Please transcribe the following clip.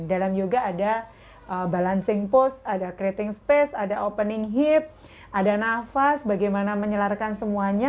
dalam yoga ada balancing post ada creating space ada opening hip ada nafas bagaimana menyelarkan semuanya